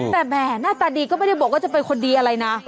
แต่แหมหน้าตาดีก็ไม่ได้บอกว่าจะเป็นคนดีอะไรนะ